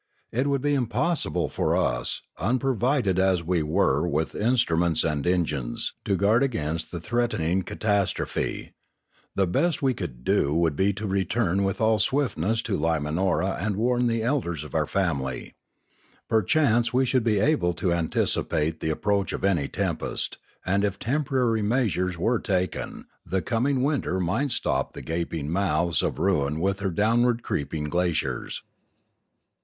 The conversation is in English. It would be impossible for us, unpro vided as we were with instruments and engines, to guard against the threatening catastrophe. The best we could do would be to return with all swiftness to Limanora and warn the elders of our family. Per chance we should be able to anticipate the approach of any tempest; and if temporary measures were taken, the coming winter might stop the gaping mouths of ruin with her downward creeping glaciers.